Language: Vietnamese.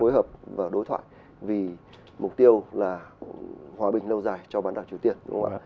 đối hợp và đối thoại vì mục tiêu là hòa bình lâu dài cho bản đảo triều tiên